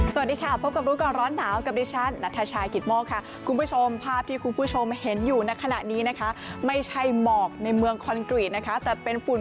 สวัสดีค่ะพบกับรู้ก่อนร้อนหนาวกับดิฉันนัทชายกิตโมกค่ะคุณผู้ชมภาพที่คุณผู้ชมเห็นอยู่ในขณะนี้นะคะไม่ใช่หมอกในเมืองคอนกรีตนะคะแต่เป็นฝุ่น